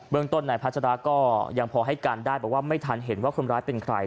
ต้นนายพัชราก็ยังพอให้การได้บอกว่าไม่ทันเห็นว่าคนร้ายเป็นใคร